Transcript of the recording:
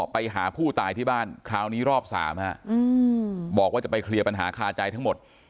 ไปหาผู้ตายที่บ้านคราวนี้รอบ๓บอกว่าจะไปเคลียร์ปัญหาคาใจทั้งหมด